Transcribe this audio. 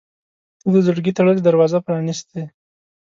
• ته د زړګي تړلې دروازه پرانستې.